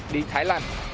đi thái lan